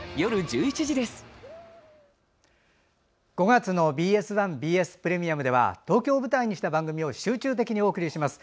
５月のＢＳ１、ＢＳプレミアムでは東京を舞台にした番組を集中的にお送りします。